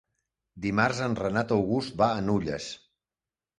Dimarts en Renat August va a Nulles.